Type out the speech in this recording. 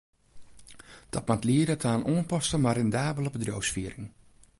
Dat moat liede ta in oanpaste, mar rendabele bedriuwsfiering.